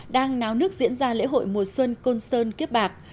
đang náo nước diễn ra lễ hội mùa xuân côn sơn kiếp bạc